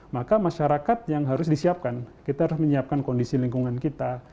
maka masyarakat yang harus disiapkan kita harus menyiapkan kondisi lingkungan kita